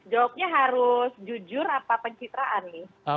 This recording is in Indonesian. jawabnya harus jujur apa pencitraan nih